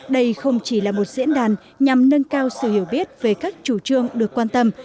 đây không chỉ là một diễn đàn nhằm nâng cao sự hiểu biết về các chủ trương được quan tâm